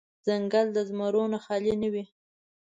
ځنګل د زمرو نه خالې نه وي.